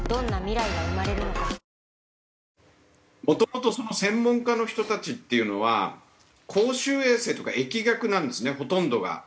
もともとその専門家の人たちっていうのは公衆衛生とか疫学なんですねほとんどが。